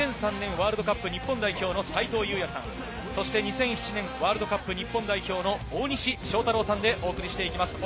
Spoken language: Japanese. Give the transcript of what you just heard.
ワールドカップ日本代表の斉藤祐也さん、そして２００７年ワールドカップ日本代表の大西将太郎さんでお送りしていきます。